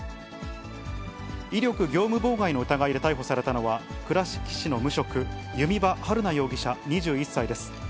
威力業務妨害の疑いで逮捕されたのは、倉敷市の無職、弓場晴菜容疑者２１歳です。